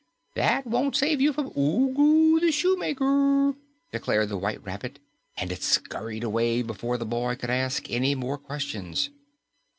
"That won't save you from Ugu the Shoemaker," declared the White Rabbit, and it scurried away before the boy could ask any more questions.